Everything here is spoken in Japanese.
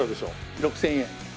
６０００円。